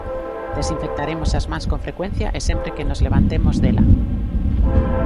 Desinfectaremos as mans con frecuencia e sempre que nos levantemos dela.